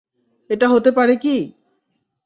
এটা হতে পারে কী?